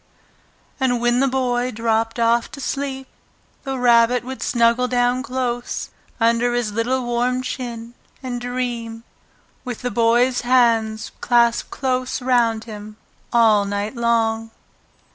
And when the Boy dropped off to sleep, the Rabbit would snuggle down close under his little warm chin and dream, with the Boy's hands clasped close round him all night long.